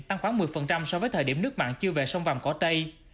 tăng khoảng một mươi so với thời điểm nước mặn chưa về sông vàm cỏ tây